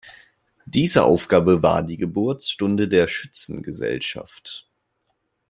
Diese Aufgabe war die Geburtsstunde der Schützengesellschaft.